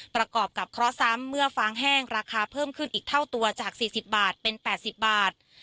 ประกอบกับเคราะห์ซ้ำเมื่อฟางแห้งราคาเพิ่มขึ้นอีกเท่าตัวจาก๔๐บาทเป็น๘๐บาท